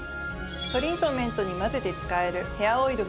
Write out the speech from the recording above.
トリートメントに混ぜて使えるヘアオイルもおすすめです。